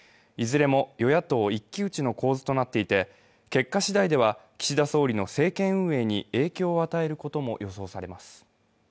いずれも与野党一騎打ちとなっていて、結果しだいでは岸田総理の政権運営に影響を与えることも予想されます。